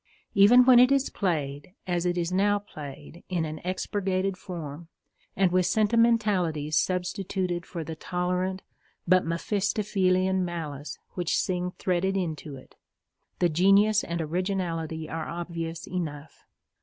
_ Even when it is played, as it is now played, in an expurgated form, and with sentimentality substituted for the tolerant but Mephistophelean malice which Synge threaded into it, the genius and originality are obvious enough.